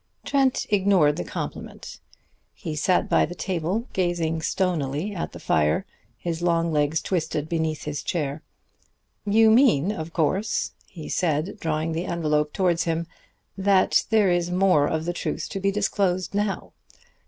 Trent ignored the compliment. He sat by the table gazing stonily at the fire, his long legs twisted beneath his chair. "You mean, of course," he said, drawing the envelop towards him, "that there is more of the truth to be disclosed now.